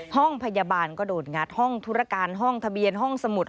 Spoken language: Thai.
ห้องพยาบาลก็โดนงัดห้องธุรการห้องทะเบียนห้องสมุด